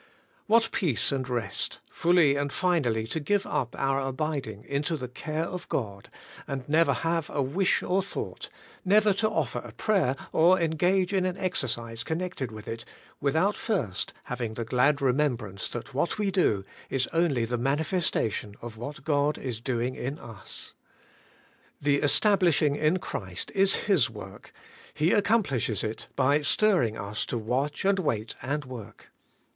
What peace and rest, fully and finally to give up our abiding into the care of God, and never have a wish or thought, never to offer a prayer or engage in an exercise connected with it, without first having the glad remembrance that what we do is only the manifestation of what God is doing in us! The establishing in Christ is His work: He accomplishes it by stirring us to watch, and wait, and work.